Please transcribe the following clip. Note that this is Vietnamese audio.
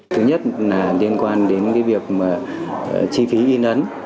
thứ nhất là liên quan đến cái việc chi phí in ấn